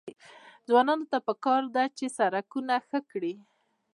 ځوانانو ته پکار ده چې، سړکونه ښه کړي.